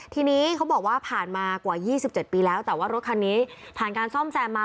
ทีนี้เขาบอกว่าผ่านมากว่า๒๗ปีแล้วแต่ว่ารถคันนี้ผ่านการซ่อมแซมมา